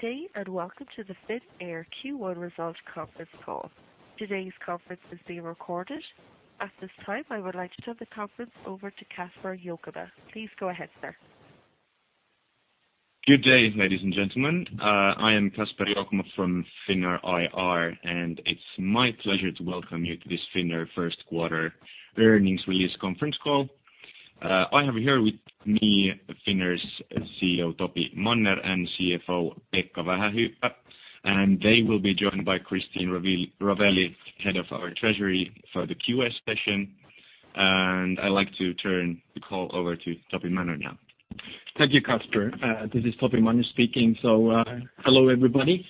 Good day. Welcome to the Finnair Q1 Result Conference Call. Today's conference is being recorded. At this time, I would like to turn the conference over to Kasper Jokela. Please go ahead, sir. Good day, ladies and gentlemen. I am Kaspar Jokela from Finnair IR. It's my pleasure to welcome you to this Finnair first quarter earnings release conference call. I have here with me Finnair's CEO, Topi Manner, and CFO, Pekka Vähähyypä. They will be joined by Christine Rovelli, Head of our Treasury, for the Q&A session. I'd like to turn the call over to Topi Manner now. Thank you, Kaspar. This is Topi Manner speaking. Hello, everybody,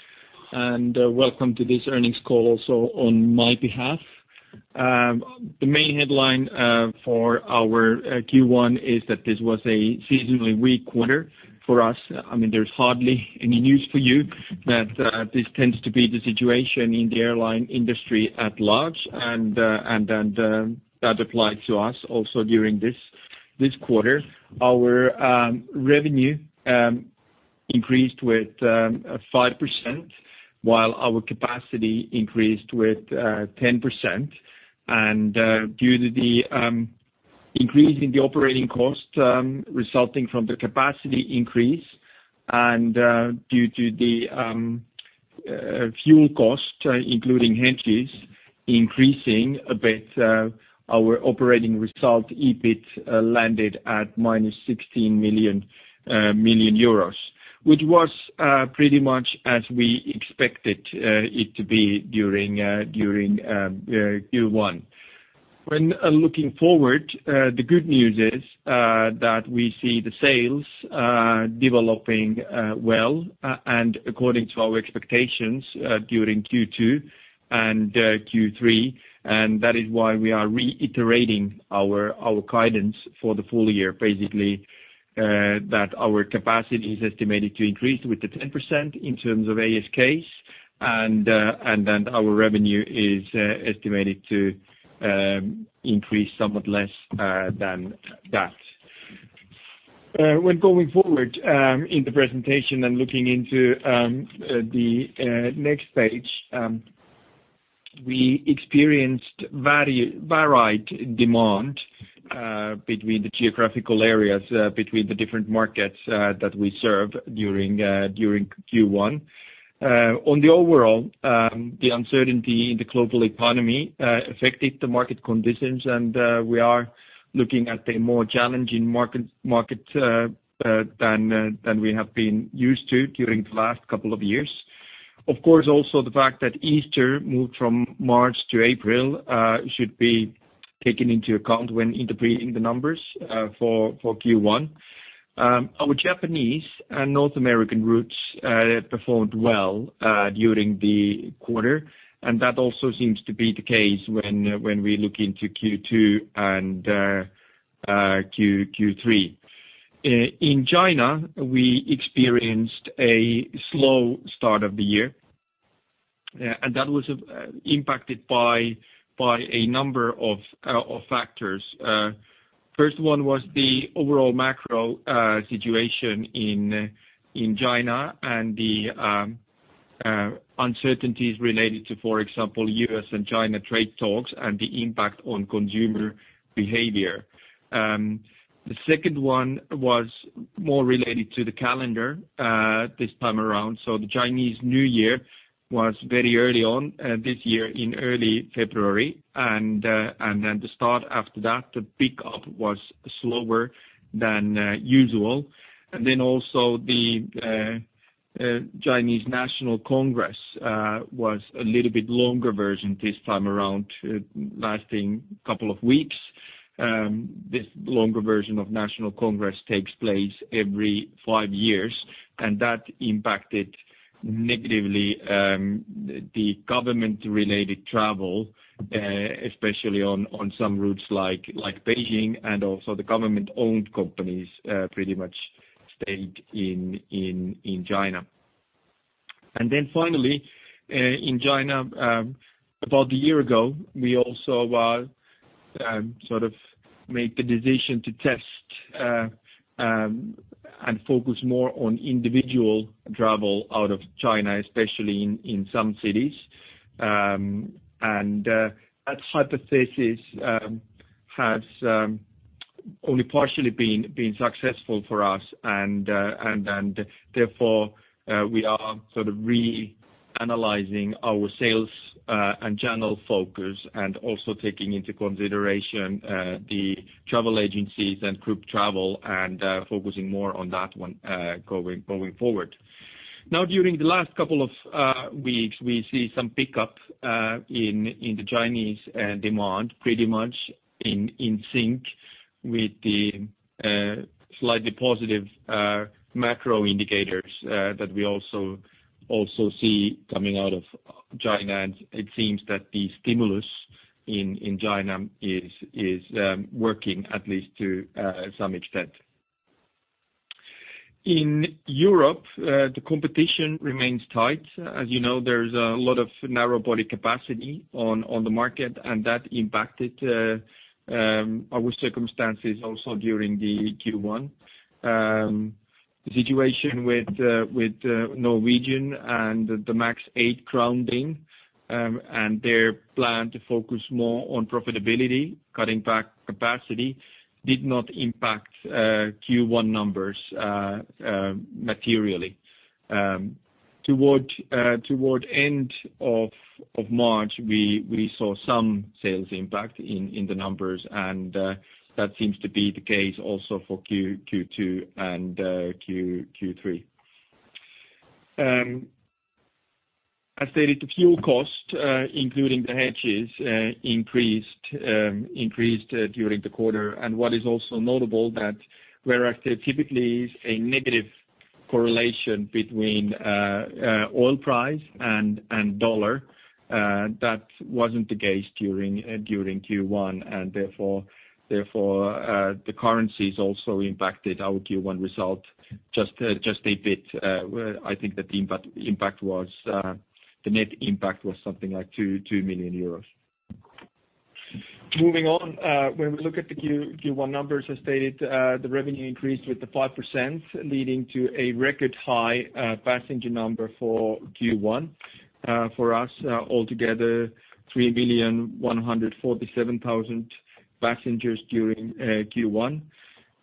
and welcome to this earnings call also on my behalf. The main headline for our Q1 is that this was a seasonally weak quarter for us. There's hardly any news for you that this tends to be the situation in the airline industry at large. That applied to us also during this quarter. Our revenue increased with 5% while our capacity increased with 10%. Due to the increase in the operating cost resulting from the capacity increase and due to the fuel cost, including hedges, increasing a bit our operating result, EBIT landed at minus 16 million euros, which was pretty much as we expected it to be during Q1. When looking forward, the good news is that we see the sales developing well and according to our expectations during Q2 and Q3. That is why we are reiterating our guidance for the full year, basically, that our capacity is estimated to increase with the 10% in terms of ASK. Our revenue is estimated to increase somewhat less than that. When going forward in the presentation and looking into the next page, we experienced varied demand between the geographical areas, between the different markets that we serve during Q1. On the overall, the uncertainty in the global economy affected the market conditions. We are looking at a more challenging market than we have been used to during the last couple of years. Of course, also the fact that Easter moved from March to April should be taken into account when interpreting the numbers for Q1. Our Japanese and North American routes performed well during the quarter, and that also seems to be the case when we look into Q2 and Q3. In China, we experienced a slow start of the year, and that was impacted by a number of factors. First one was the overall macro situation in China and the uncertainties related to, for example, U.S. and China trade talks and the impact on consumer behavior. The second one was more related to the calendar this time around. The Chinese New Year was very early on this year in early February and then the start after that, the pickup was slower than usual. Then also the Chinese National Congress was a little bit longer version this time around, lasting a couple of weeks. This longer version of National Congress takes place every five years, and that impacted negatively the government-related travel, especially on some routes like Beijing and also the government-owned companies pretty much stayed in China. Then finally, in China, about a year ago, we also sort of made the decision to test and focus more on individual travel out of China, especially in some cities. That hypothesis has only partially been successful for us and therefore we are sort of reanalyzing our sales and general focus and also taking into consideration the travel agencies and group travel and focusing more on that one going forward. Now during the last couple of weeks, we see some pickup in the Chinese demand pretty much in sync with the slightly positive macro indicators that we also see coming out of China. It seems that the stimulus in China is working at least to some extent. In Europe, the competition remains tight. As you know, there's a lot of narrow-body capacity on the market, and that impacted our circumstances also during the Q1. The situation with Norwegian and the MAX 8 grounding and their plan to focus more on profitability, cutting back capacity, did not impact Q1 numbers materially. Toward end of March, we saw some sales impact in the numbers, and that seems to be the case also for Q2 and Q3. As stated, the fuel cost including the hedges, increased during the quarter. What is also notable that whereas there typically is a negative correlation between oil price and U.S. dollar, that wasn't the case during Q1, and therefore, the currencies also impacted our Q1 result just a bit. I think the net impact was something like 2 million euros. Moving on, when we look at the Q1 numbers, as stated, the revenue increased with the 5%, leading to a record high passenger number for Q1 for us altogether, 3,147,000 passengers during Q1.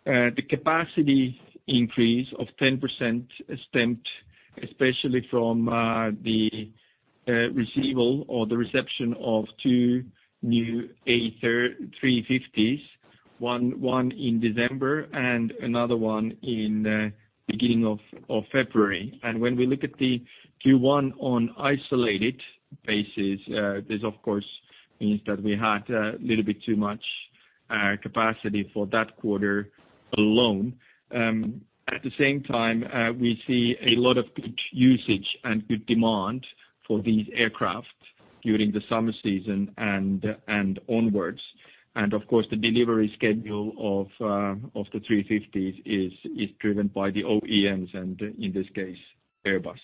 The capacity increase of 10% stemmed especially from the receivable or the reception of two new A350s, one in December and another one in beginning of February. When we look at the Q1 on isolated basis, this of course means that we had a little bit too much capacity for that quarter alone. At the same time, we see a lot of good usage and good demand for these aircraft during the summer season and onwards. Of course, the delivery schedule of the A350 is driven by the OEMs and in this case, Airbus.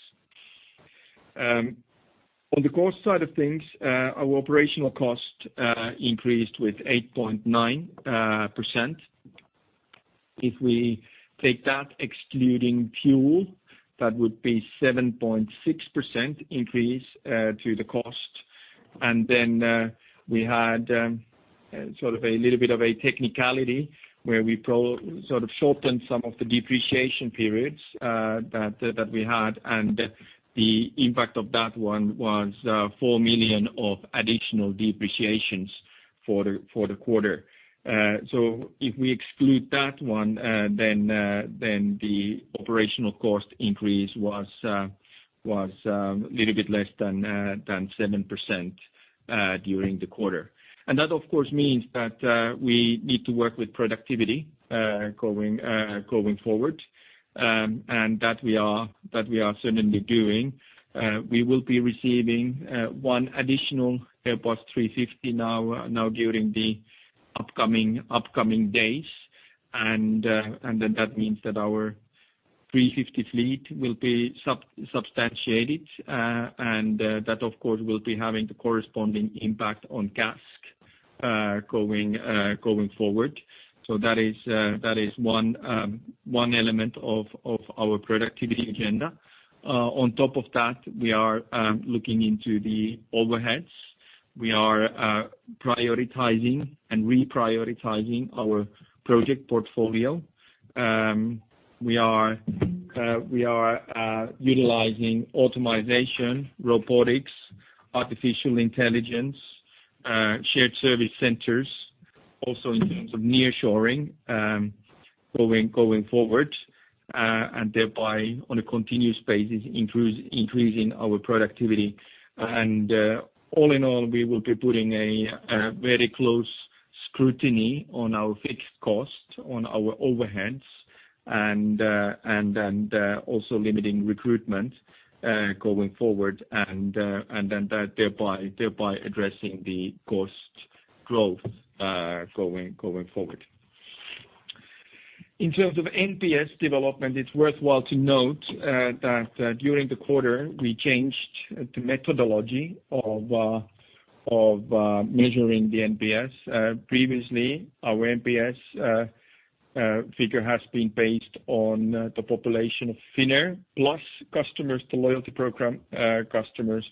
On the cost side of things, our operational cost increased with 8.9%. If we take that excluding fuel, that would be 7.6% increase to the cost. We had sort of a little bit of a technicality where we sort of shortened some of the depreciation periods that we had and the impact of that one was 4 million of additional depreciations for the quarter. If we exclude that one, the operational cost increase was a little bit less than 7% during the quarter. That of course means that we need to work with productivity going forward, and that we are certainly doing. We will be receiving one additional Airbus A350 now during the upcoming days. That means that our A350 fleet will be substantiated, and that of course will be having the corresponding impact on CASK going forward. That is one element of our productivity agenda. On top of that, we are looking into the overheads. We are prioritizing and reprioritizing our project portfolio. We are utilizing automization, robotics, artificial intelligence, shared service centers, also in terms of nearshoring going forward, and thereby on a continuous basis, increasing our productivity. All in all, we will be putting a very close scrutiny on our fixed cost, on our overheads and also limiting recruitment going forward and thereby addressing the cost growth going forward. In terms of NPS development, it is worthwhile to note that during the quarter we changed the methodology of measuring the NPS. Previously, our NPS figure has been based on the population of Finnair Plus customers to loyalty program customers.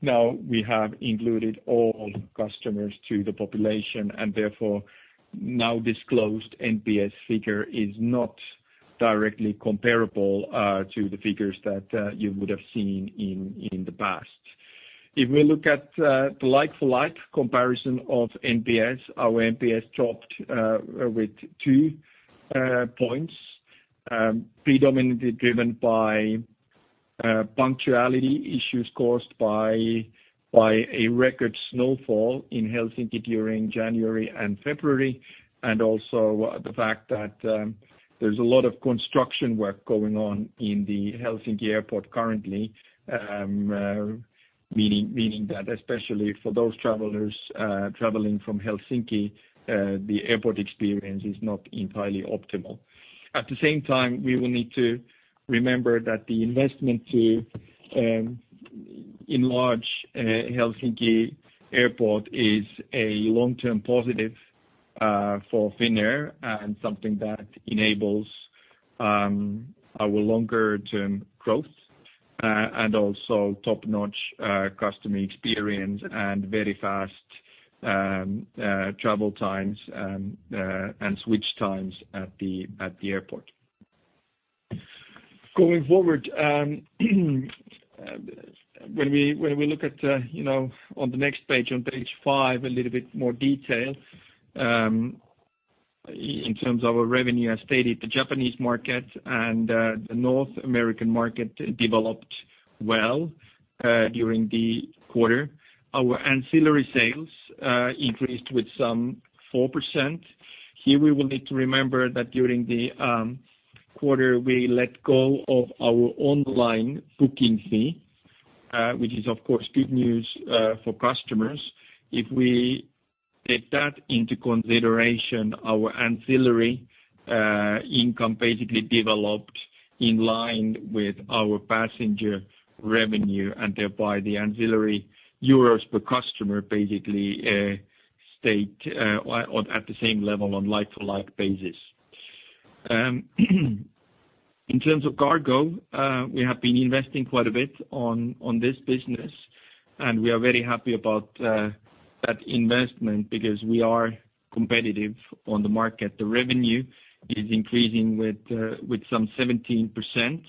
Now we have included all customers to the population and therefore now disclosed NPS figure is not directly comparable to the figures that you would have seen in the past. If we look at the like-for-like comparison of NPS, our NPS dropped with two points predominantly driven by punctuality issues caused by a record snowfall in Helsinki during January and February, and also the fact that there is a lot of construction work going on in the Helsinki airport currently, meaning that especially for those travelers traveling from Helsinki, the airport experience is not entirely optimal. At the same time, we will need to remember that the investment to Enlarge Helsinki Airport is a long-term positive for Finnair and something that enables our longer-term growth and also top-notch customer experience and very fast travel times and switch times at the airport. Going forward, when we look on the next page, on page five, a little bit more detail in terms of our revenue. As stated, the Japanese market and the North American market developed well during the quarter. Our ancillary sales increased with some 4%. Here we will need to remember that during the quarter, we let go of our online booking fee, which is, of course, good news for customers. If we take that into consideration, our ancillary income basically developed in line with our passenger revenue, and thereby the ancillary euros per customer basically stayed at the same level on like-to-like basis. In terms of cargo, we have been investing quite a bit on this business, and we are very happy about that investment because we are competitive on the market. The revenue is increasing with some 17%,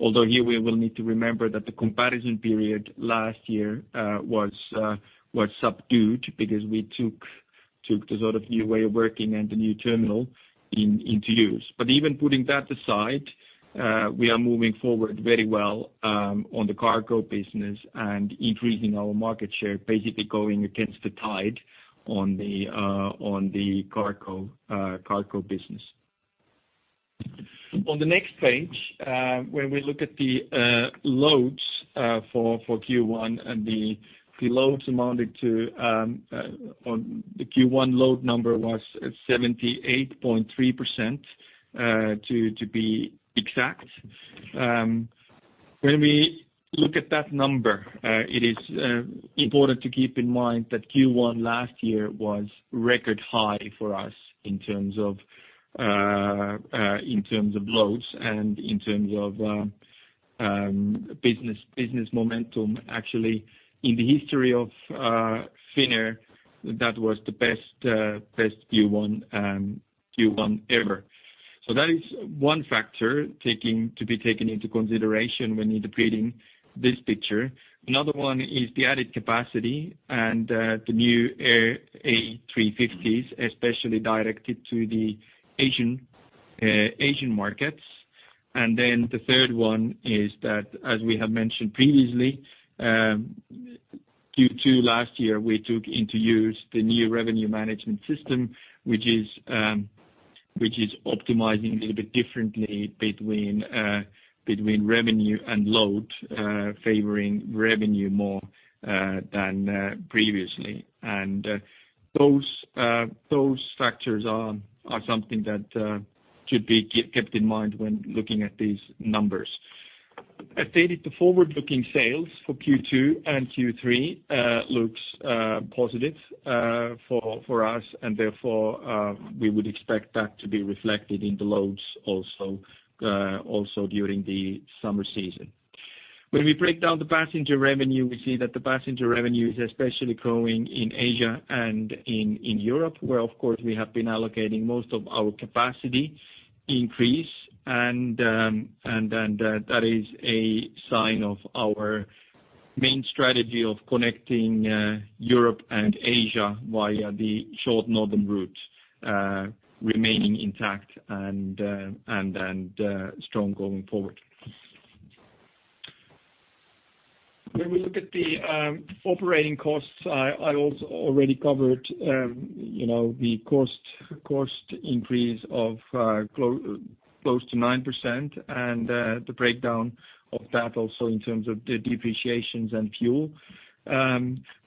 although here we will need to remember that the comparison period last year was subdued because we took the sort of new way of working and the new terminal into use. Even putting that aside, we are moving forward very well on the cargo business and increasing our market share, basically going against the tide on the cargo business. On the next page, when we look at the loads for Q1, and the Q1 load number was 78.3%, to be exact. When we look at that number, it is important to keep in mind that Q1 last year was record high for us in terms of loads and in terms of business momentum. Actually, in the history of Finnair, that was the best Q1 ever. That is one factor to be taken into consideration when interpreting this picture. Another one is the added capacity and the new A350s, especially directed to the Asian markets. The third one is that, as we have mentioned previously, Q2 last year, we took into use the new revenue management system, which is optimizing a little bit differently between revenue and load, favoring revenue more than previously. Those factors are something that should be kept in mind when looking at these numbers. As stated, the forward-looking sales for Q2 and Q3 looks positive for us, and therefore, we would expect that to be reflected in the loads also during the summer season. When we break down the passenger revenue, we see that the passenger revenue is especially growing in Asia and in Europe, where, of course, we have been allocating most of our capacity increase, and that is a sign of our main strategy of connecting Europe and Asia via the short northern route remaining intact and strong going forward. When we look at the operating costs, I also already covered the cost increase of close to 9% and the breakdown of that also in terms of the depreciations and fuel.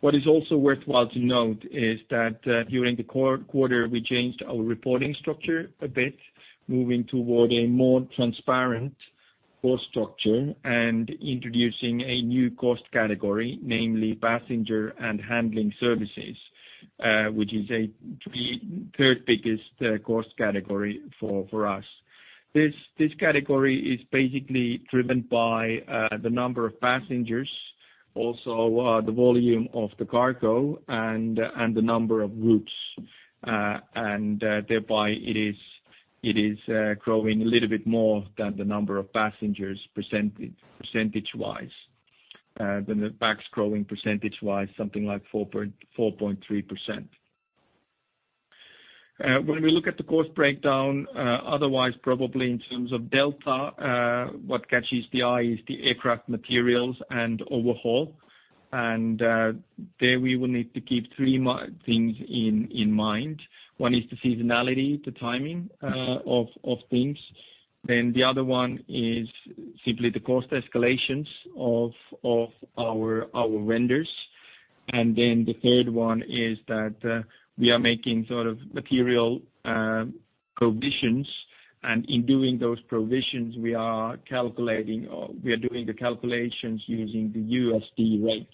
What is also worthwhile to note is that during the quarter, we changed our reporting structure a bit, moving toward a more transparent cost structure and introducing a new cost category, namely passenger and handling services, which is the third biggest cost category for us. This category is basically driven by the number of passengers, also the volume of the cargo, and the number of routes. Thereby, it is growing a little bit more than the number of passengers percentage-wise than the PAX growing percentage-wise, something like 4.3%. When we look at the cost breakdown, otherwise probably in terms of delta, what catches the eye is the aircraft materials and overhaul. There we will need to keep three things in mind. One is the seasonality, the timing of things. The other one is simply the cost escalations of our vendors. The third one is that we are making material provisions, and in doing those provisions, we are doing the calculations using the USD rate.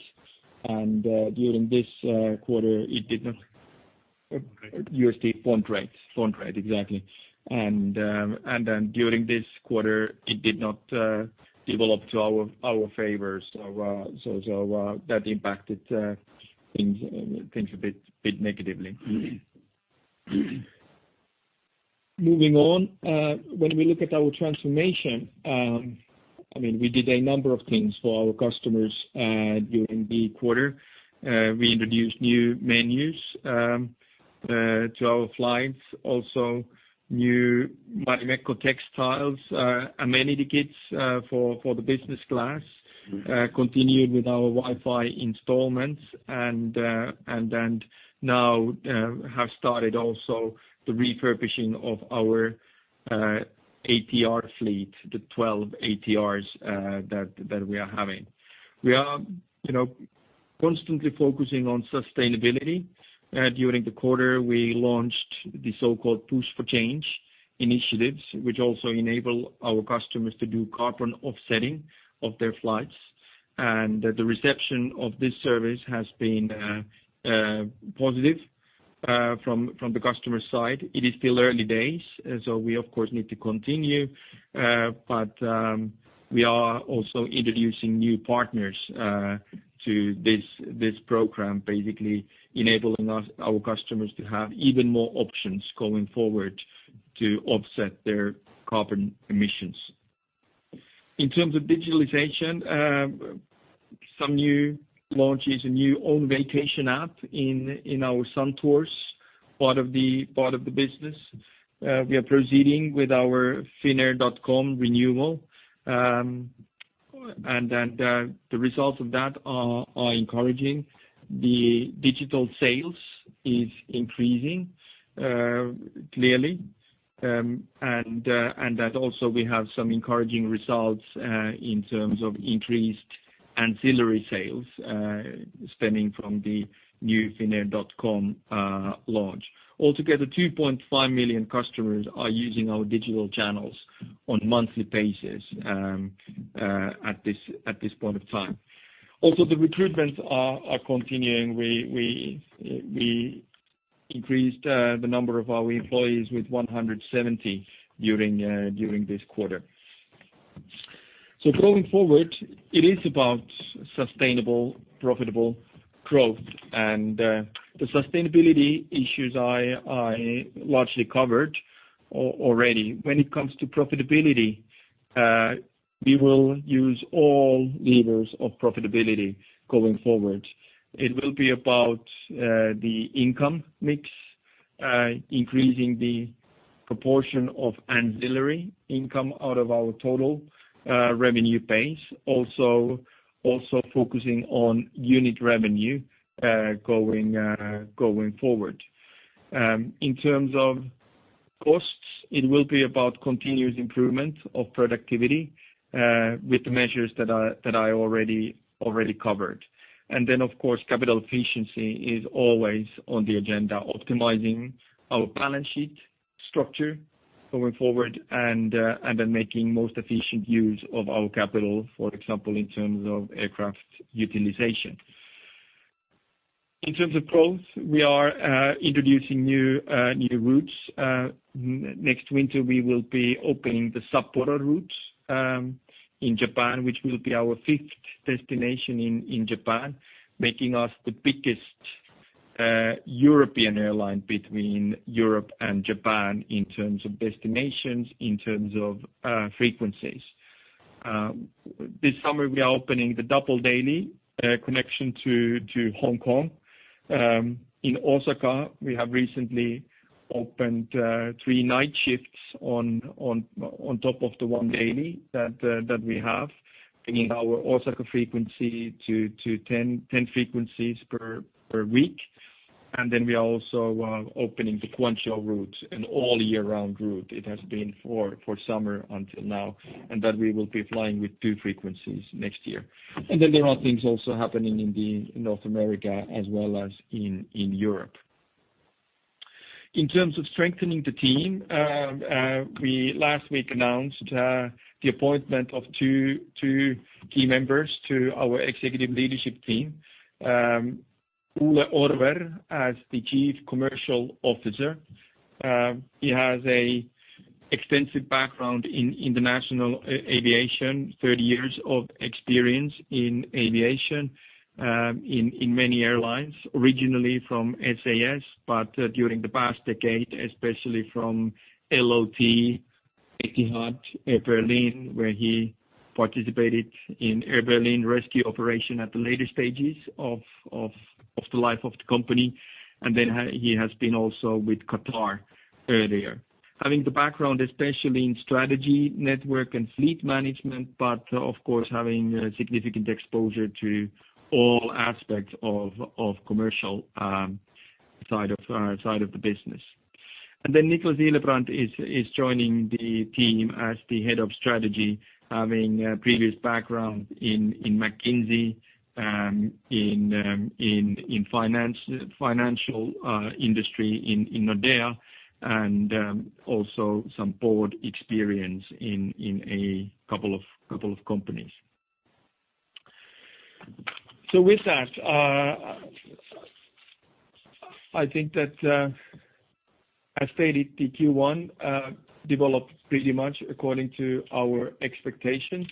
Pound rate, exactly. During this quarter, it did not develop to our favor. That impacted things a bit negatively. Moving on, when we look at our transformation, we did a number of things for our customers during the quarter. We introduced new menus to our flights, also new Marimekko textiles, amenity kits for the business class, continued with our Wi-Fi installments now have started also the refurbishing of our ATR fleet, the 12 ATRs that we are having. We are constantly focusing on sustainability. During the quarter, we launched the so-called Push for Change initiatives, which also enable our customers to do carbon offsetting of their flights. The reception of this service has been positive from the customer side. It is still early days, we of course need to continue. We are also introducing new partners to this program, basically enabling our customers to have even more options going forward to offset their carbon emissions. In terms of digitalization, some new launches, a new own vacation app in our Suntours part of the business. We are proceeding with our finnair.com renewal, the results of that are encouraging. The digital sales is increasing, clearly, and that also we have some encouraging results in terms of increased ancillary sales stemming from the new finnair.com launch. Altogether, 2.5 million customers are using our digital channels on monthly basis at this point of time. Also, the recruitments are continuing. We increased the number of our employees with 170 during this quarter. Going forward, it is about sustainable, profitable growth. The sustainability issues I largely covered already. When it comes to profitability, we will use all levers of profitability going forward. It will be about the income mix, increasing the proportion of ancillary income out of our total revenue base. Also focusing on unit revenue going forward. In terms of costs, it will be about continuous improvement of productivity with the measures that I already covered. Of course, capital efficiency is always on the agenda, optimizing our balance sheet structure going forward making most efficient use of our capital, for example, in terms of aircraft utilization. In terms of growth, we are introducing new routes. Next winter, we will be opening the Sapporo routes in Japan, which will be our fifth destination in Japan, making us the biggest European airline between Europe and Japan in terms of destinations, in terms of frequencies. This summer, we are opening the double daily connection to Hong Kong. In Osaka, we have recently opened three night shifts on top of the one daily that we have, bringing our Osaka frequency to 10 frequencies per week. We are also opening the Guangzhou route, an all year round route. It has been for summer until now, that we will be flying with two frequencies next year. There are things also happening in North America as well as in Europe. In terms of strengthening the team, we last week announced the appointment of two key members to our executive leadership team. Ole Orvér as the Chief Commercial Officer. He has an extensive background in international aviation, 30 years of experience in aviation, in many airlines. Originally from SAS, but during the past decade, especially from LOT, Etihad, Air Berlin, where he participated in Air Berlin rescue operation at the later stages of the life of the company. He has been also with Qatar earlier. Having the background, especially in strategy, network and fleet management, but of course, having significant exposure to all aspects of commercial side of the business. Nicklas Ilebrand is joining the team as the head of strategy, having previous background in McKinsey, in financial industry in Nordea, and also some board experience in a couple of companies. I think that as stated, the Q1 developed pretty much according to our expectations,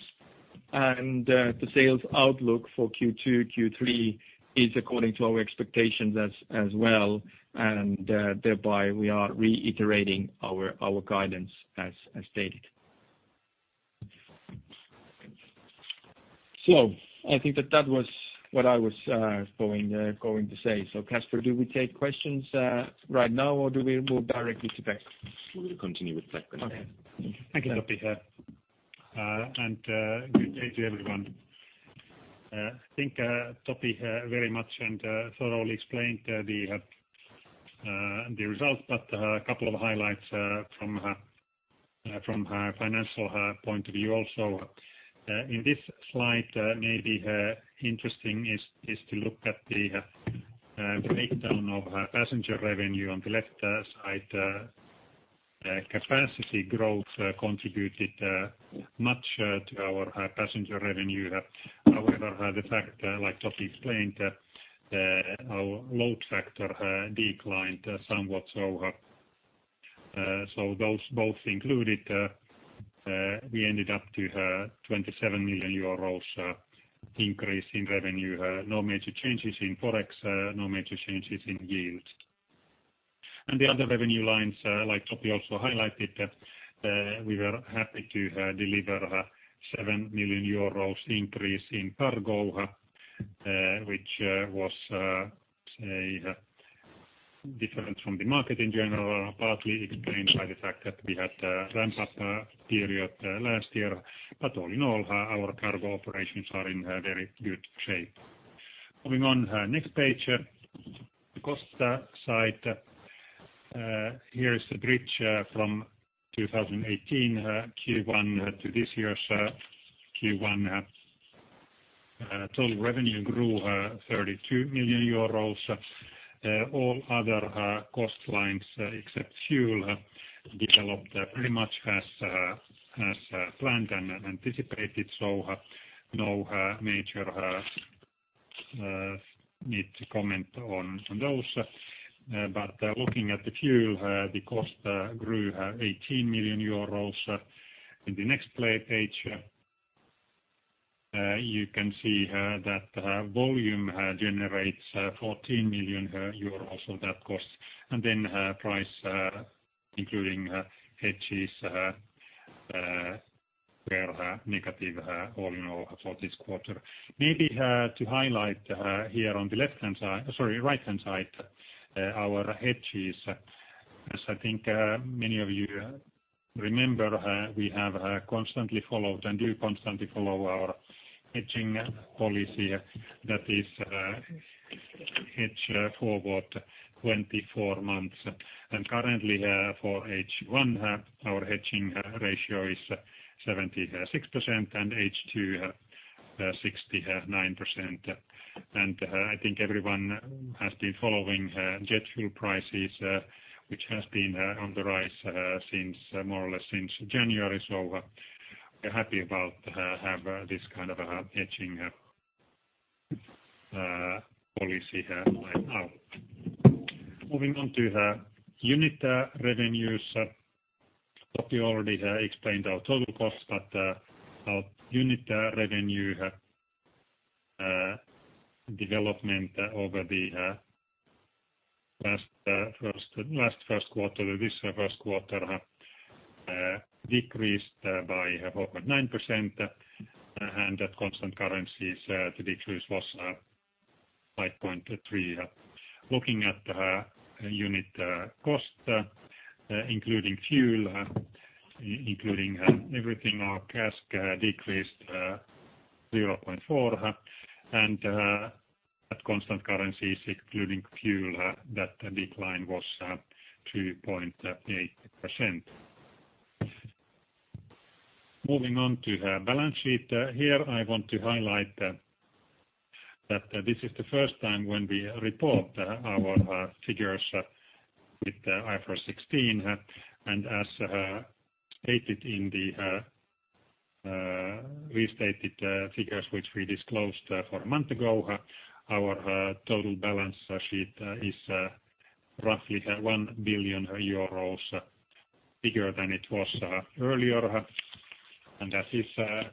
and the sales outlook for Q2, Q3 is according to our expectations as well, and thereby we are reiterating our guidance as stated. I think that that was what I was going to say. Kasper, do we take questions right now, or do we move directly to Pekka? We will continue with Pekka. Okay. Thank you, Topi. Good day to everyone. I think Topi very much and thoroughly explained the results, but a couple of highlights from financial point of view also. In this slide, maybe interesting is to look at the breakdown of passenger revenue on the left side. Capacity growth contributed much to our passenger revenue. However, the fact, like Topi explained, our load factor declined somewhat, so those both included we ended up to 27 million euros increase in revenue. No major changes in Forex, no major changes in yield. The other revenue lines, like Topi also highlighted, we were happy to deliver 7 million euros increase in cargo, which was different from the market in general, partly explained by the fact that we had a ramp-up period last year. All in all, our cargo operations are in very good shape. Moving on, next page. The cost side. Here is the bridge from 2018 Q1 to this year's Q1. Total revenue grew 32 million euros. All other cost lines except fuel developed pretty much as planned and anticipated, so no major need to comment on those. Looking at the fuel, the cost grew 18 million euros. In the next page, you can see that volume generates 14 million euros of that cost. Price including hedges were negative all in all for this quarter. Maybe to highlight here on the right-hand side, our hedges, as I think many of you remember, we have constantly followed and do constantly follow our hedging policy that is hedge forward 24 months. Currently for H1, our hedging ratio is 76%, and H2, 69%. I think everyone has been following jet fuel prices, which has been on the rise more or less since January, so we're happy about have this kind of a hedging policy right now. Moving on to unit revenues. Topi already explained our total cost, but our unit revenue development over the last first quarter to this first quarter decreased by 4.9%, and at constant currencies, the decrease was 5.3%. Looking at unit cost including fuel, including everything, our CASK decreased 0.4%, and at constant currencies including fuel, that decline was 2.8%. Moving on to balance sheet. Here I want to highlight that this is the first time when we report our figures with IFRS 16, and as stated in the restated figures which we disclosed for a month ago, our total balance sheet is roughly one billion EUR bigger than it was earlier. That is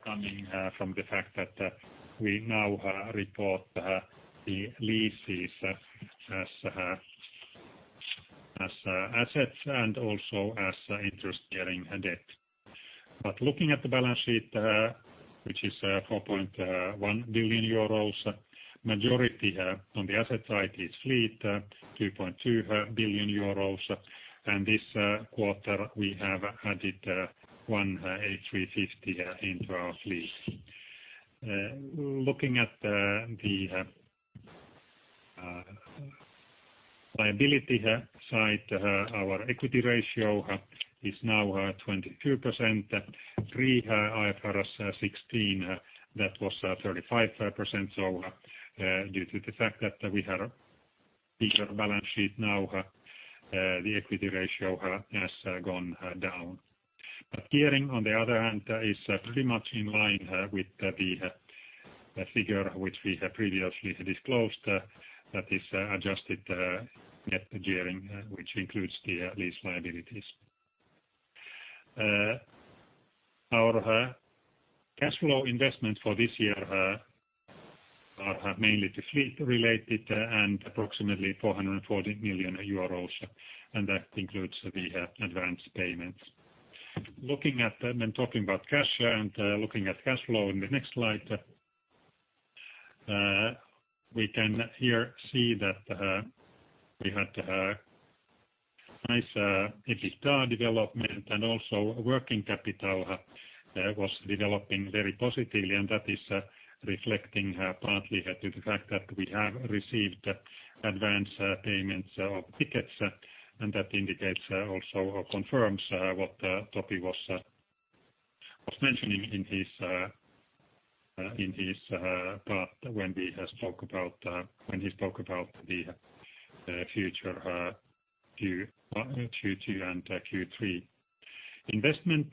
coming from the fact that we now report the leases as assets and also as interest-bearing debt. Looking at the balance sheet, which is 4.1 billion euros, majority on the asset side is fleet, 2.2 billion euros, and this quarter we have added one A350 into our fleet. Looking at the Liability side, our equity ratio is now 22%, pre IFRS 16, that was 35%. Due to the fact that we have a bigger balance sheet now, the equity ratio has gone down. Gearing, on the other hand, is pretty much in line with the figure which we have previously disclosed, that is adjusted net gearing, which includes the lease liabilities. Our cash flow investment for this year are mainly to fleet related and approximately 440 million euros, and that includes the advanced payments. Looking at and then talking about cash, and looking at cash flow in the next slide. We can here see that we had nice EBITDA development, and also working capital was developing very positively, and that is reflecting partly to the fact that we have received advance payments of tickets, and that indicates also or confirms what Topi was mentioning in his part when he spoke about the future Q2 and Q3. Investment,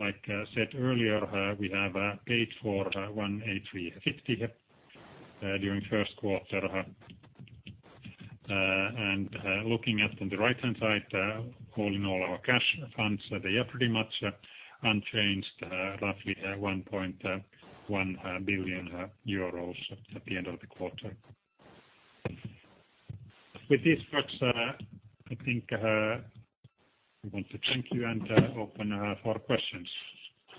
like I said earlier, we have paid for one A350 during first quarter. Looking at on the right-hand side, all in all, our cash funds, they are pretty much unchanged, roughly 1.1 billion euros at the end of the quarter. With this, folks, I think I want to thank you and open for questions.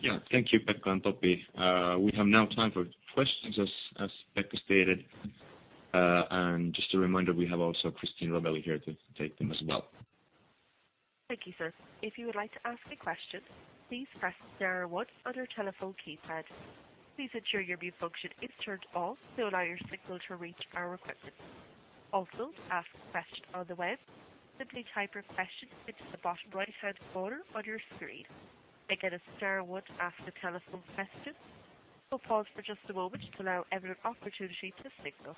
Yeah. Thank you, Pekka and Topi. We have now time for questions as Pekka stated. Just a reminder, we have also Christine Rovelli here to take them as well. Thank you, sir. If you would like to ask a question, please press star one on your telephone keypad. Please ensure your mute function is turned off to allow your signal to reach our equipment. To ask a question on the web, simply type your question into the bottom right-hand corner on your screen. To get a star one to ask a telephone question, we'll pause for just a moment to allow everyone opportunity to signal.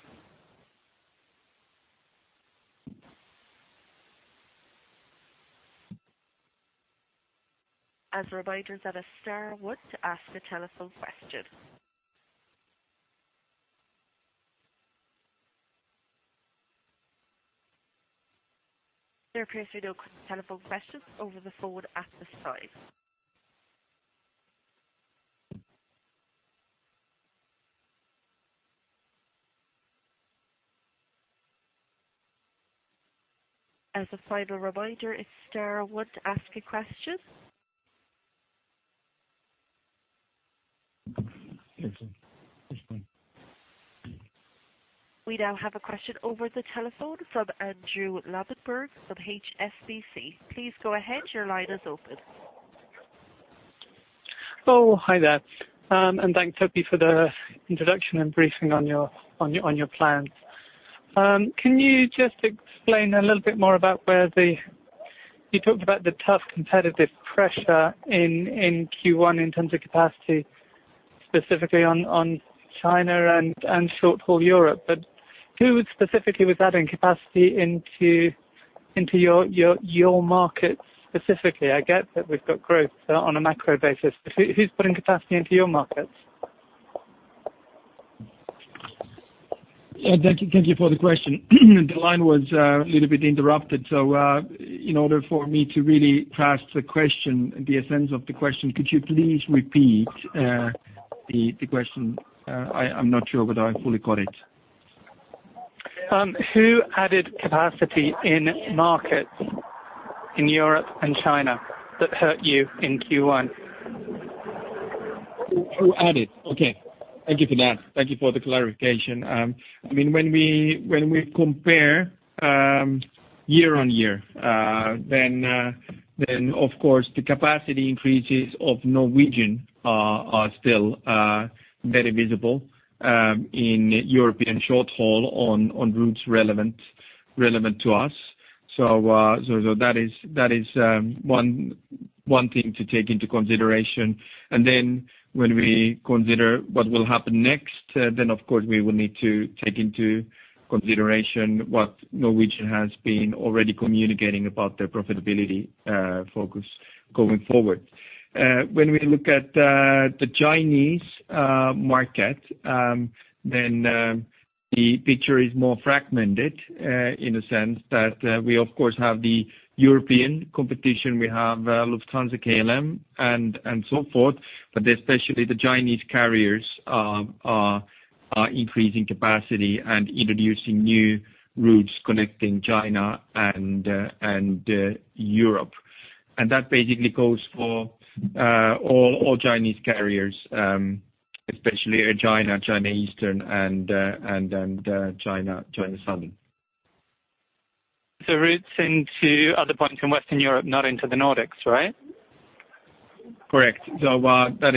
As a reminder that a star one to ask a telephone question. There appears to be no telephone questions over the phone at this time. As a final reminder, it's star one to ask a question. Yes. This one. We now have a question over the telephone from Andrew Lobbenberg from HSBC. Please go ahead. Your line is open. Oh, hi there. Thanks Topi for the introduction and briefing on your plans. Can you just explain a little bit more. You talked about the tough competitive pressure in Q1 in terms of capacity, specifically on China and short-haul Europe, but who specifically was adding capacity into your market specifically? I get that we've got growth on a macro basis. Who's putting capacity into your markets? Yeah. Thank you for the question. The line was a little bit interrupted, so in order for me to really grasp the essence of the question, could you please repeat the question? I'm not sure whether I fully got it. Who added capacity in markets in Europe and China that hurt you in Q1? Who added? Okay. Thank you for that. Thank you for the clarification. When we compare year-on-year, then of course the capacity increases of Norwegian are still very visible in European short-haul on routes relevant to us. That is one thing to take into consideration. When we consider what will happen next, then of course, we will need to take into consideration what Norwegian has been already communicating about their profitability focus going forward. When we look at the Chinese market, then the picture is more fragmented in a sense that we, of course, have the European competition, we have Lufthansa, KLM, and so forth, but especially the Chinese carriers are increasing capacity and introducing new routes connecting China and Europe. That basically goes for all Chinese carriers, especially Air China Eastern, and then China Southern The routes into other points in Western Europe, not into the Nordics, right? Correct. That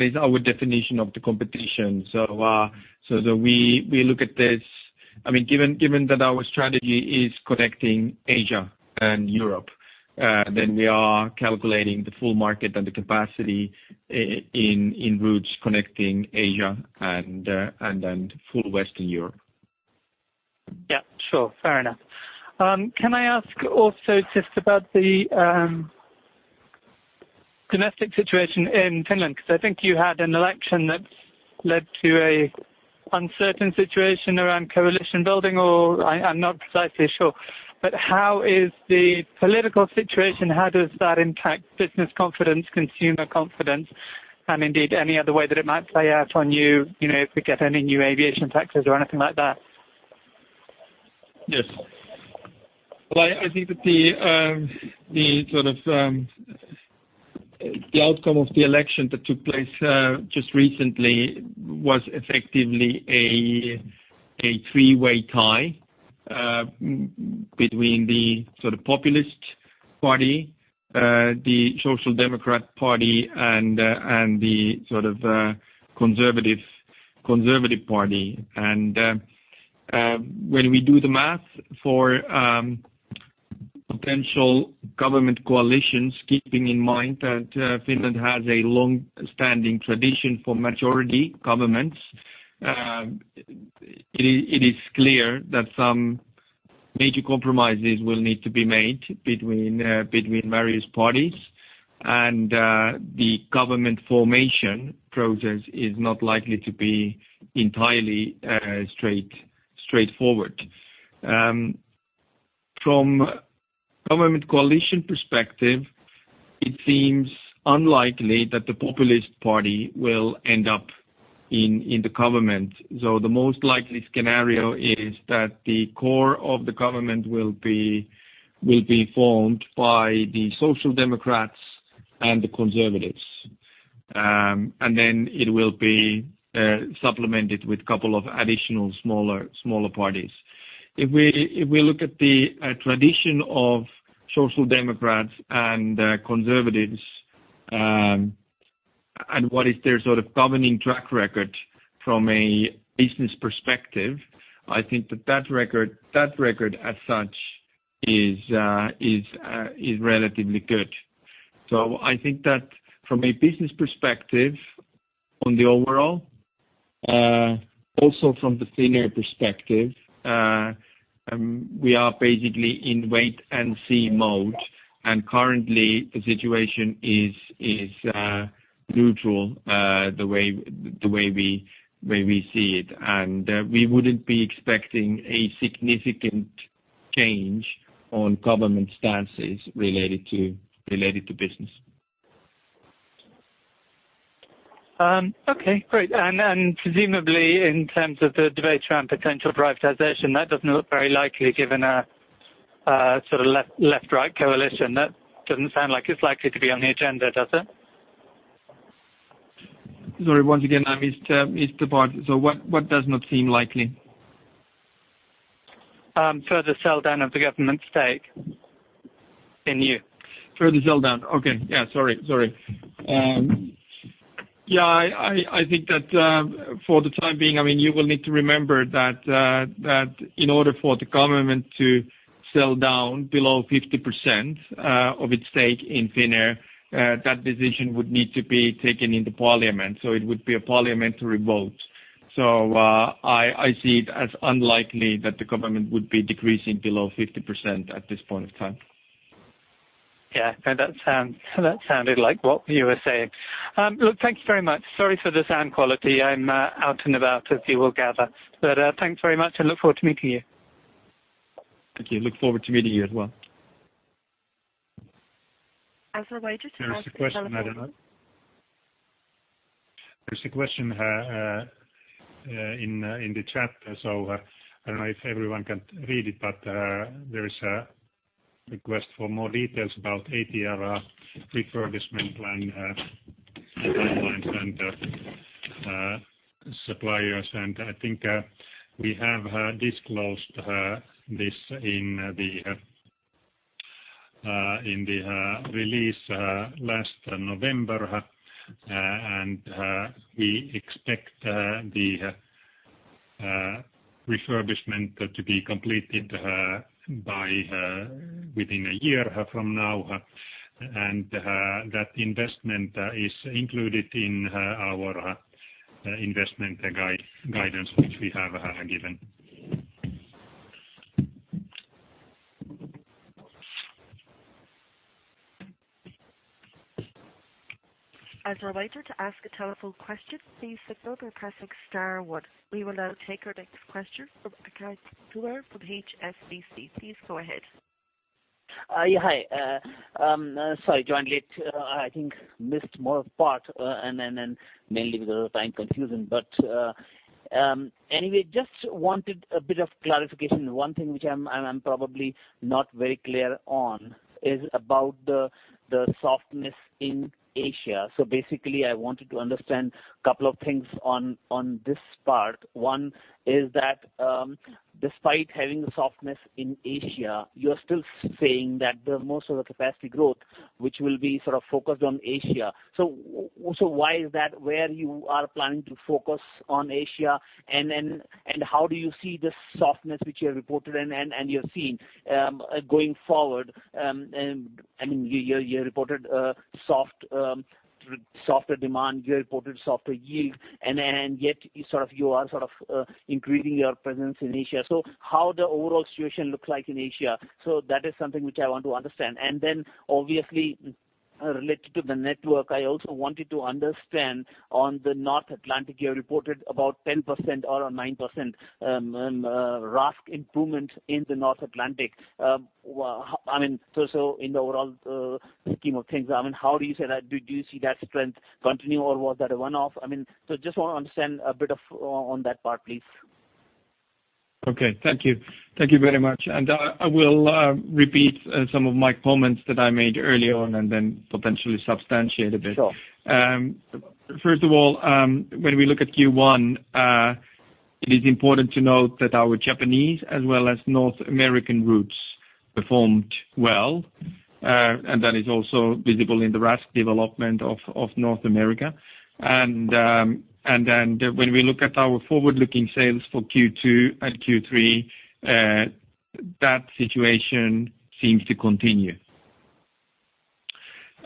is our definition of the competition. Given that our strategy is connecting Asia and Europe, we are calculating the full market and the capacity in routes connecting Asia and full Western Europe. Yeah, sure. Fair enough. Can I ask also just about the domestic situation in Finland? I think you had an election that led to an uncertain situation around coalition-building, or I'm not precisely sure. How is the political situation, how does that impact business confidence, consumer confidence, and indeed any other way that it might play out on you, if we get any new aviation taxes or anything like that? Yes. Well, I think that the outcome of the election that took place just recently was effectively a three-way tie between the populist party, the Social Democratic Party, and the conservative party. When we do the math for potential government coalitions, keeping in mind that Finland has a long-standing tradition for majority governments, it is clear that some major compromises will need to be made between various parties, and the government formation process is not likely to be entirely straightforward. From government coalition perspective, it seems unlikely that the populist party will end up in the government, though the most likely scenario is that the core of the government will be formed by the Social Democrats and the Conservatives. It will be supplemented with a couple of additional smaller parties. If we look at the tradition of Social Democrats and Conservatives and what is their sort of governing track record from a business perspective, I think that that record as such is relatively good. I think that from a business perspective on the overall, also from the Finnair perspective, we are basically in wait-and-see mode. Currently the situation is neutral, the way we see it. We wouldn't be expecting a significant change on government stances related to business. Okay, great. Presumably in terms of the debate around potential privatization, that doesn't look very likely given a sort of left-right coalition. That doesn't sound like it's likely to be on the agenda, does it? Sorry, once again, I missed a part. What does not seem likely? Further sell-down of the government stake in you. Further sell down. Okay. Yeah, sorry. Yeah, I think that for the time being, you will need to remember that in order for the government to sell down below 50% of its stake in Finnair, that decision would need to be taken in the parliament. It would be a parliamentary vote. I see it as unlikely that the government would be decreasing below 50% at this point in time. Yeah. That sounded like what you were saying. Look, thank you very much. Sorry for the sound quality. I am out and about, as you will gather. Thanks very much. Look forward to meeting you. Thank you. Look forward to meeting you as well. As a way to ask a telephone- There is a question in the chat. I don't know if everyone can read it, but there is a request for more details about ATR refurbishment plan timelines and suppliers. I think we have disclosed this in the release last November. We expect the refurbishment to be completed within a year from now. That investment is included in our investment guidance, which we have given. As a way to ask a telephone question, please signal by pressing star one. We will now take our next question from Akash Dua from HSBC. Please go ahead. Yeah. Hi. Sorry, joined late, I think Missed more of part and then mainly because of time confusion. Anyway, just wanted a bit of clarification. One thing which I'm probably not very clear on is about the softness in Asia. Basically, I wanted to understand a couple of things on this part. One is that, despite having the softness in Asia, you're still saying that the most of the capacity growth, which will be sort of focused on Asia. Why is that where you are planning to focus on Asia, and how do you see the softness which you have reported and you're seeing going forward? I mean, you reported softer demand, you reported softer yield. Yet, you are increasing your presence in Asia. How the overall situation looks like in Asia? That is something which I want to understand. Obviously, related to the network, I also wanted to understand on the North Atlantic. You reported about 10% or nine% RASK improvement in the North Atlantic. In the overall scheme of things, I mean, how do you say that? Do you see that strength continue or was that a one-off? Just want to understand a bit on that part, please. Okay. Thank you. Thank you very much. I will repeat some of my comments that I made earlier on potentially substantiate a bit. Sure. First of all, when we look at Q1, it is important to note that our Japanese as well as North American routes performed well, that is also visible in the RASK development of North America. When we look at our forward-looking sales for Q2 and Q3, that situation seems to continue.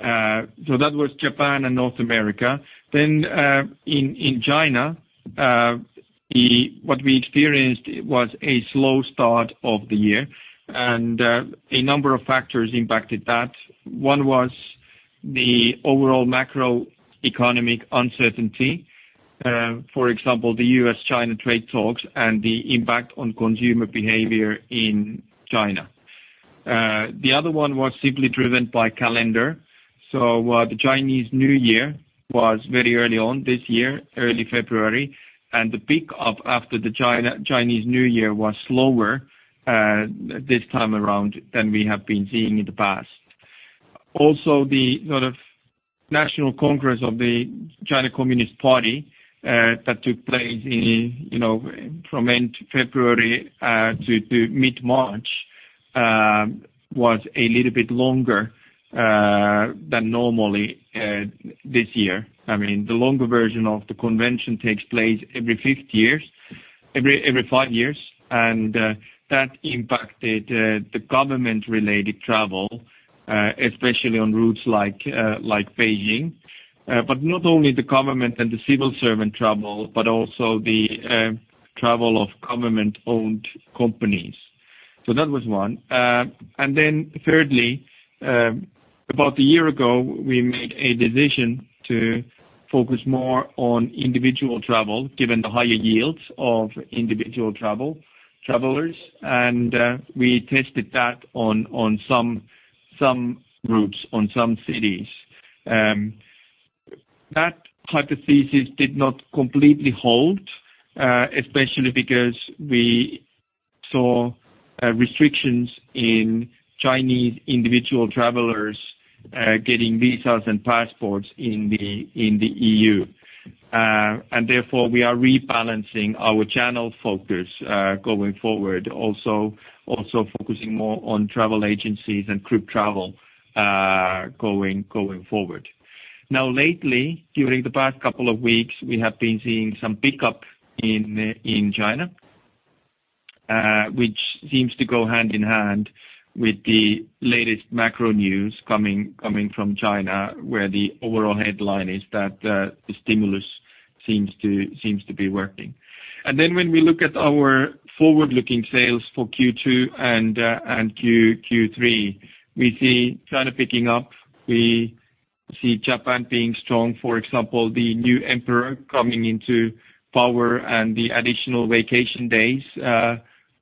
That was Japan and North America. In China, what we experienced was a slow start of the year, a number of factors impacted that. One was the overall macroeconomic uncertainty, for example, the U.S.-China trade talks and the impact on consumer behavior in China. The other one was simply driven by calendar. The Chinese New Year was very early on this year, early February, and the peak-up after the Chinese New Year was slower this time around than we have been seeing in the past. The sort of National Congress of the Communist Party of China that took place from end February to mid-March, was a little bit longer than normally this year. The longer version of the convention takes place every five years, that impacted the government-related travel, especially on routes like Beijing. Not only the government and the civil servant travel, but also the travel of government-owned companies. That was one. Thirdly, about a year ago, we made a decision to focus more on individual travel, given the higher yields of individual travelers, we tested that on some routes, on some cities. That hypothesis did not completely hold, especially because we saw restrictions in Chinese individual travelers getting visas and passports in the EU. Therefore, we are rebalancing our channel focus going forward, also focusing more on travel agencies and group travel going forward. Lately, during the past couple of weeks, we have been seeing some pick up in China, which seems to go hand in hand with the latest macro news coming from China, where the overall headline is that the stimulus seems to be working. When we look at our forward-looking sales for Q2 and Q3, we see China picking up. We see Japan being strong. For example, the new emperor coming into power and the additional vacation days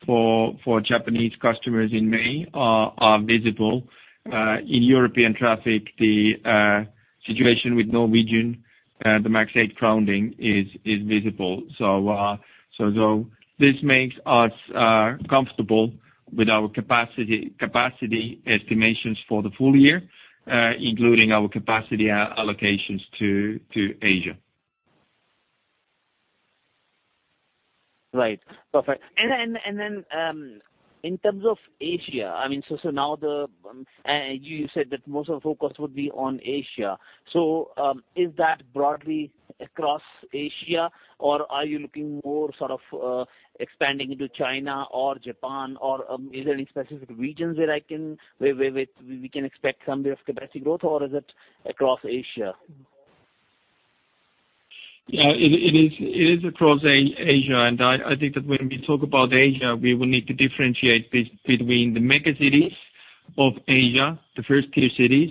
for Japanese customers in May are visible. In European traffic, the situation with Norwegian, the MAX 8 grounding is visible. This makes us comfortable with our capacity estimations for the full year, including our capacity allocations to Asia. Right. Perfect. In terms of Asia, you said that most of the focus would be on Asia. Is that broadly across Asia or are you looking more expanding into China or Japan, or is there any specific regions where we can expect some bit of capacity growth, or is it across Asia? Yeah. It is across Asia, and I think that when we talk about Asia, we will need to differentiate between the megacities of Asia, the first-tier cities,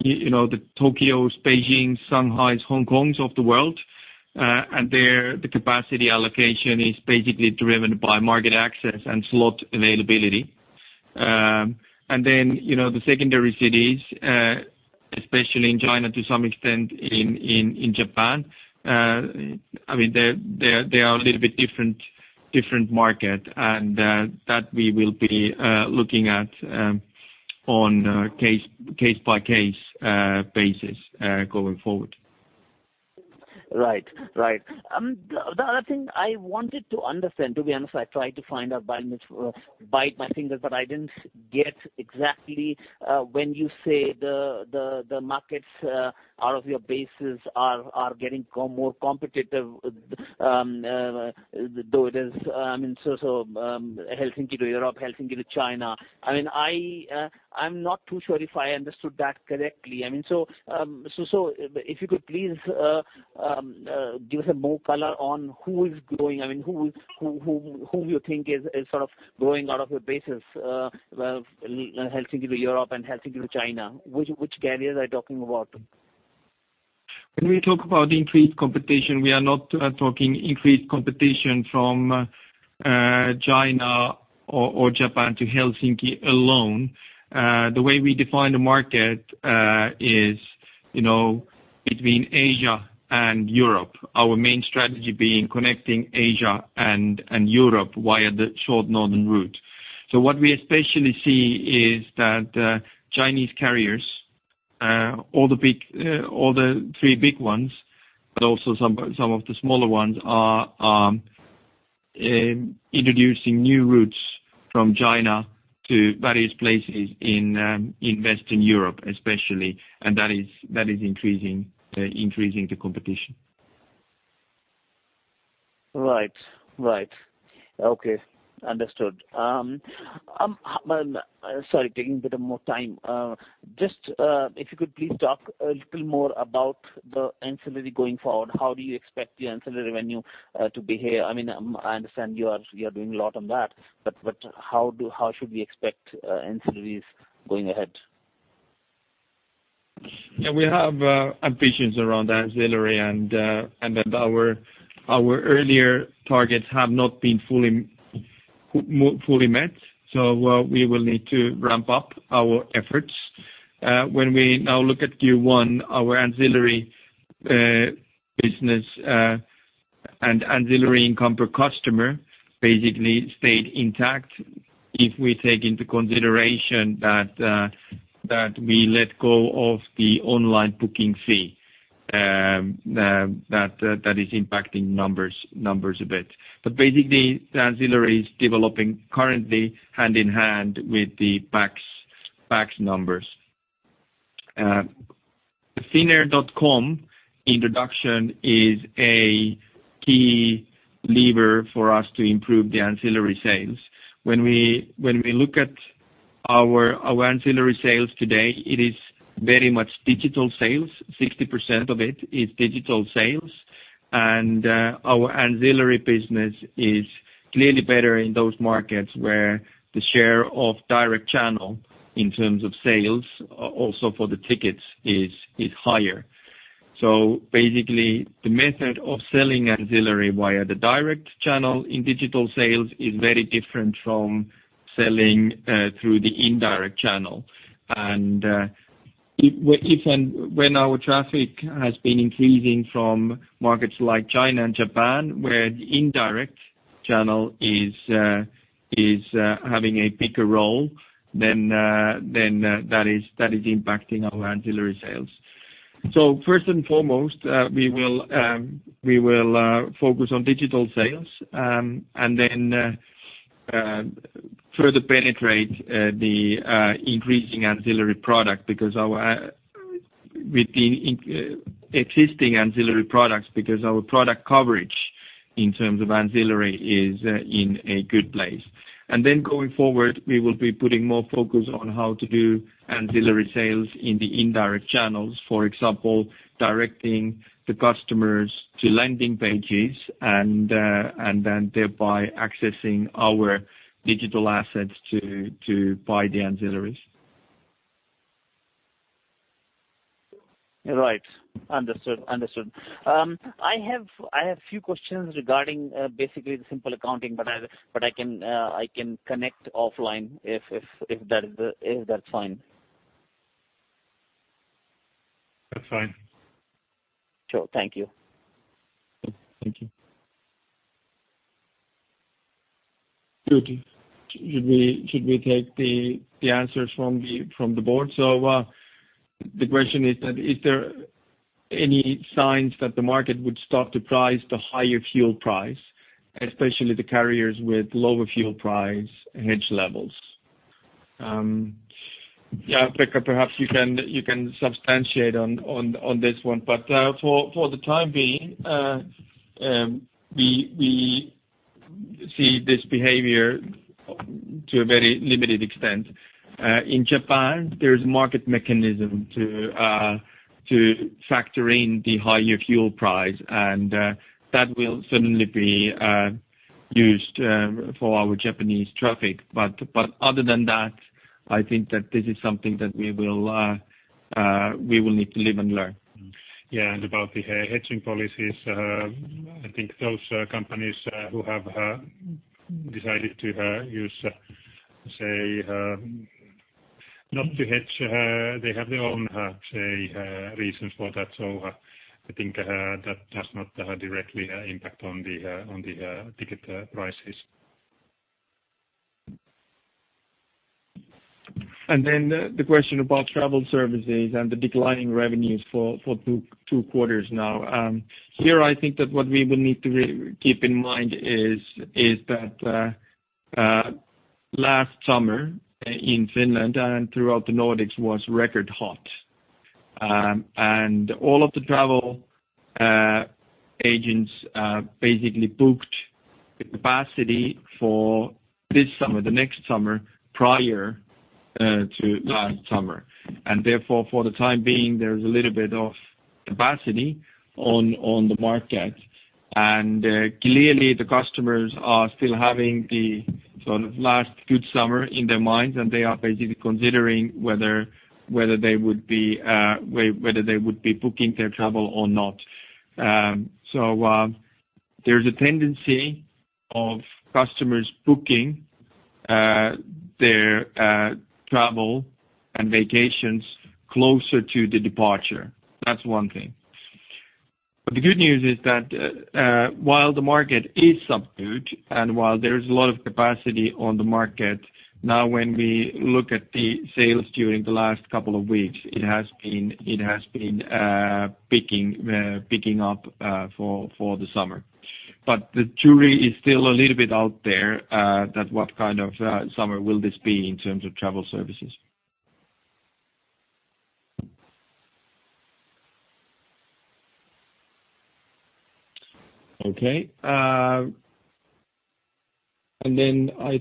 the Tokyos, Beijings, Shanghais, Hong Kongs of the world. There, the capacity allocation is basically driven by market access and slot availability. The secondary cities, especially in China, to some extent in Japan, they are a little bit different market, and that we will be looking at on a case-by-case basis going forward. Right. The other thing I wanted to understand, to be honest, I tried to find out by bite my fingers, but I didn't get exactly when you say the markets out of your bases are getting more competitive, though it is, Helsinki to Europe, Helsinki to China. I'm not too sure if I understood that correctly. If you could please give us more color on who you think is growing out of your bases, Helsinki to Europe and Helsinki to China, which carriers are you talking about? When we talk about increased competition, we are not talking increased competition from China or Japan to Helsinki alone. The way we define the market is between Asia and Europe, our main strategy being connecting Asia and Europe via the short northern route. What we especially see is that Chinese carriers, all the three big ones, but also some of the smaller ones, are introducing new routes from China to various places in Western Europe, especially, and that is increasing the competition. Right. Okay. Understood. Sorry, taking a bit of more time. If you could please talk a little more about the ancillary going forward. How do you expect the ancillary revenue to behave? I understand you are doing a lot on that, but how should we expect ancillaries going ahead? We have ambitions around ancillary, our earlier targets have not been fully met. We will need to ramp up our efforts. When we now look at Q1, our ancillary business and ancillary income per customer basically stayed intact if we take into consideration that we let go of the online booking fee. That is impacting numbers a bit. Basically, the ancillary is developing currently hand in hand with the PAX numbers. finnair.com introduction is a key lever for us to improve the ancillary sales. When we look at our ancillary sales today, it is very much digital sales. 60% of it is digital sales. Our ancillary business is clearly better in those markets where the share of direct channel in terms of sales also for the tickets is higher. Basically, the method of selling ancillary via the direct channel in digital sales is very different from selling through the indirect channel. When our traffic has been increasing from markets like China and Japan, where the indirect channel is having a bigger role, then that is impacting our ancillary sales. First and foremost, we will focus on digital sales and further penetrate the increasing ancillary product with the existing ancillary products because our product coverage in terms of ancillary is in a good place. Going forward, we will be putting more focus on how to do ancillary sales in the indirect channels, for example, directing the customers to landing pages and thereby accessing our digital assets to buy the ancillaries. Right. Understood. I have a few questions regarding basically the simple accounting, I can connect offline if that's fine. That's fine. Sure. Thank you. Thank you. Juuti, should we take the answers from the board? The question is that, is there any signs that the market would start to price the higher fuel price, especially the carriers with lower fuel price hedge levels? Pekka, perhaps you can substantiate on this one. For the time being, we see this behavior to a very limited extent. In Japan, there is a market mechanism to factor in the higher fuel price, and that will certainly be used for our Japanese traffic. Other than that, I think that this is something that we will need to live and learn. About the hedging policies, I think those companies who have decided to use, say, not to hedge, they have their own, say, reasons for that. I think that does not directly impact on the ticket prices. The question about travel services and the declining revenues for 2 quarters now. Here, I think that what we will need to keep in mind is that last summer in Finland and throughout the Nordics was record hot. All of the travel agents basically booked the capacity for this summer, the next summer, prior to last summer. Therefore, for the time being, there is a little bit of capacity on the market. Clearly, the customers are still having the sort of last good summer in their minds, and they are basically considering whether they would be booking their travel or not. There's a tendency of customers booking their travel and vacations closer to the departure. That's 1 thing. The good news is that while the market is subdued and while there is a lot of capacity on the market now when we look at the sales during the last couple of weeks, it has been picking up for the summer. The jury is still a little bit out there that what kind of summer will this be in terms of travel services. I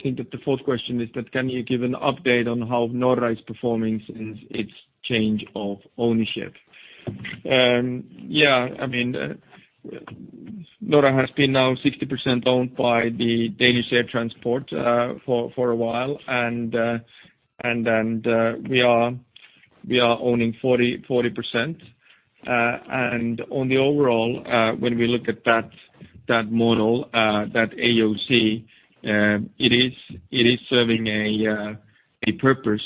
think that the fourth question is that can you give an update on how Norra is performing since its change of ownership? Norra has been now 60% owned by the Danish Air Transport for a while, and then we are owning 40%. On the overall, when we look at that model, that AOC, it is serving a purpose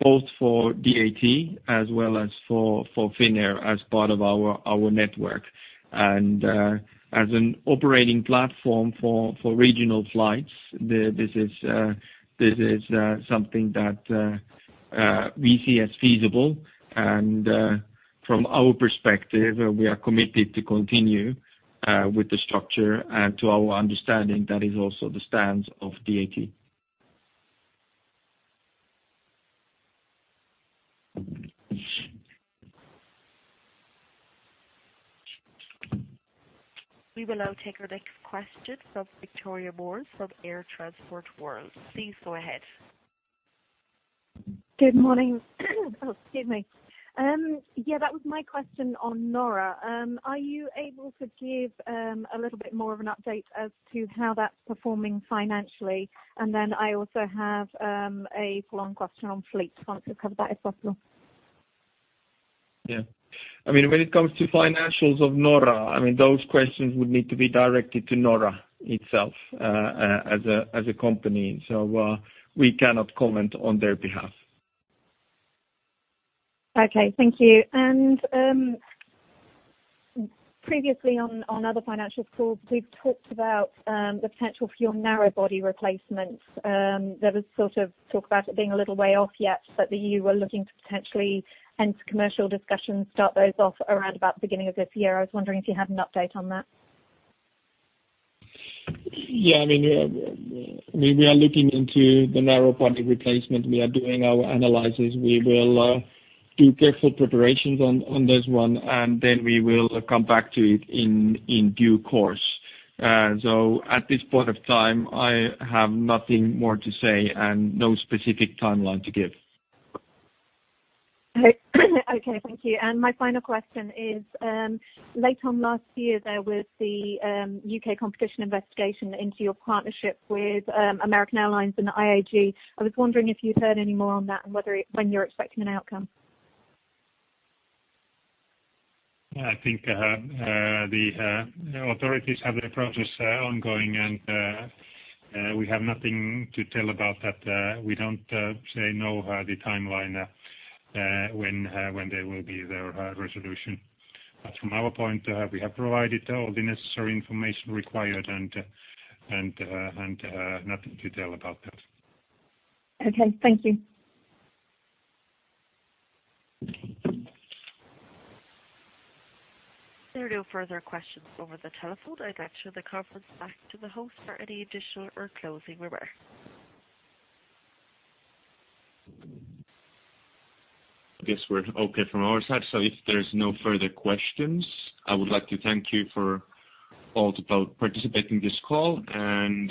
both for DAT as well as for Finnair as part of our network. As an operating platform for regional flights, this is something that we see as feasible. From our perspective, we are committed to continue with the structure, and to our understanding, that is also the stance of DAT. We will now take our next question from Victoria Moores from Air Transport World. Please go ahead. Good morning. Excuse me. Yeah, that was my question on Norra. Are you able to give a little bit more of an update as to how that's performing financially? Then I also have a follow-on question on fleet. If I could cover that as well. Yeah. When it comes to financials of Norra, those questions would need to be directed to Norra itself as a company. We cannot comment on their behalf. Okay. Thank you. Previously on other financial calls, we've talked about the potential for your narrow body replacements. There was sort of talk about it being a little way off yet, but that you were looking to potentially enter commercial discussions, start those off around about the beginning of this year. I was wondering if you had an update on that. Yeah. We are looking into the narrow body replacement. We are doing our analysis. We will do careful preparations on this one, and then we will come back to it in due course. At this point of time, I have nothing more to say and no specific timeline to give. Okay. Thank you. My final question is, late on last year, there was the U.K. competition investigation into your partnership with American Airlines and IAG. I was wondering if you'd heard any more on that and when you're expecting an outcome? I think the authorities have their process ongoing, and we have nothing to tell about that. We don't know the timeline when there will be the resolution. From our point, we have provided all the necessary information required and nothing to tell about that. Okay. Thank you. There are no further questions over the telephone. I'd like to hand the conference back to the host for any additional or closing remarks. I guess we're okay from our side. If there's no further questions, I would like to thank you for participating in this call and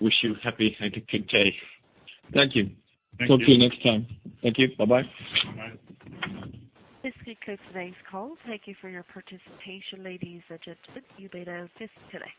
wish you a happy and a good day. Thank you. Talk to you next time. Thank you. Bye-bye. Bye-bye. This concludes today's call. Thank you for your participation, ladies and gentlemen. You may now disconnect.